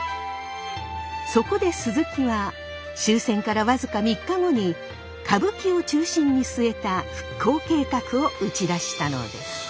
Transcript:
そこで鈴木は終戦からわずか３日後に歌舞伎を中心に据えた復興計画を打ち出したのです。